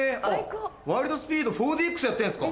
『ワイルド・スピード』４ＤＸでやってるんですか？